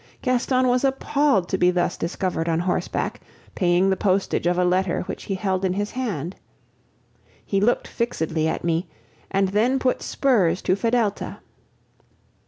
Gaston was appalled to be thus discovered on horseback, paying the postage of a letter which he held in his hand. He looked fixedly at me, and then put spurs to Fedelta.